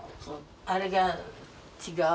あれが違う。